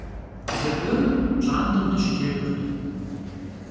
Zeguerım pş'ant'em dışıcegurt.